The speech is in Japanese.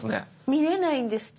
見れないんですって。